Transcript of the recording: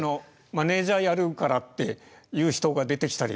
マネージャーやるからって言う人が出てきたりとかって。